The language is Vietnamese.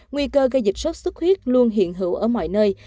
nguy cơ gây dịch sốt xuất huyết luôn hiện hữu ở mọi nơi